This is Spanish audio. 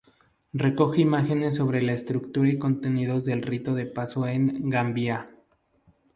Recoge imágenes sobre la estructura y contenidos del rito de paso en Gambia.